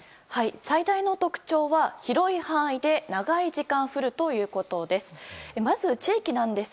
最大の特徴は広い範囲で長い時間降るということです。